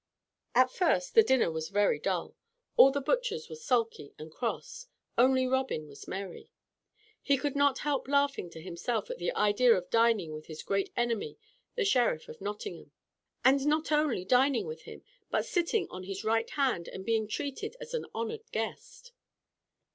At first the dinner was very dull. All the butchers were sulky and cross, only Robin was merry. He could not help laughing to himself at the idea of dining with his great enemy the Sheriff of Nottingham. And not only dining with him, but sitting on his right hand, and being treated as an honored guest.